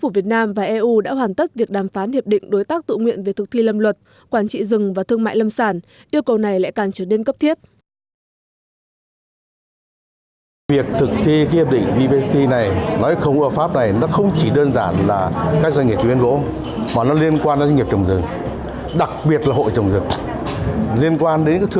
vì lầm luật quản trị rừng và thương mại lâm sản yêu cầu này lại càng trở nên cấp thiết